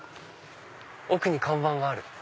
奥に看板がある！